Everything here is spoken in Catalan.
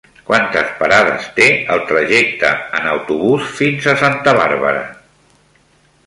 Quantes parades té el trajecte en autobús fins a Santa Bàrbara?